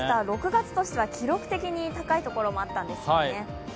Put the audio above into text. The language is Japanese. ６月としては記録的に高いところもあったんですよね。